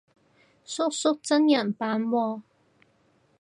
叔叔真人版喎